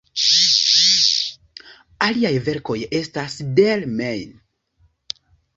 Aliaj verkoj estas: "Der Main.